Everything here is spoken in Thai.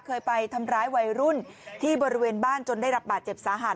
เคยไปทำร้ายวัยรุ่นที่บริเวณบ้านจนได้รับบาดเจ็บสาหัส